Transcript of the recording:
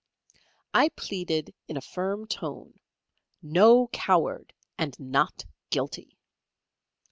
I pleaded in a firm tone, "No Coward and Not Guilty."